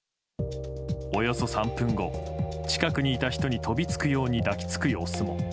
およそ３分後近くにいた人に飛びつくように抱き着く様子も。